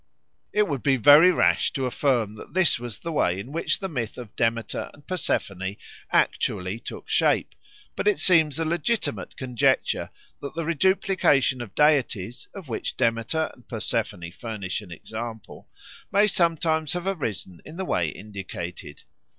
It would be very rash to affirm that this was the way in which the myth of Demeter and Persephone actually took shape; but it seems a legitimate conjecture that the reduplication of deities, of which Demeter and Persephone furnish an example, may sometimes have arisen in the way indicated.